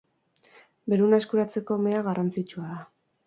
Beruna eskuratzeko mea garrantzitsua da.